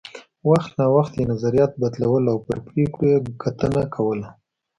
وخت نا وخت یې نظریات بدلول او پر پرېکړو یې کتنه کوله